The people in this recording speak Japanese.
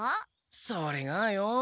それがよ。